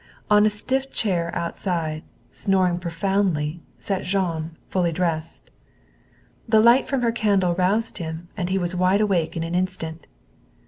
On a stiff chair outside, snoring profoundly, sat Jean, fully dressed. The light from her candle roused him and he was wide awake in an instant.